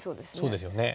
そうですよね。